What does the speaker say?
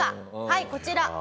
はいこちら。